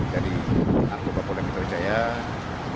jadi narkoba polda mitrojaya